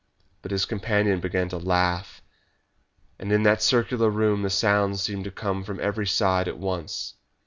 But his companion began to laugh, and in that circular room the sound seemed to come from every side at once.